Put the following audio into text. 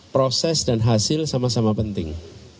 proses dan hasil sama sama penting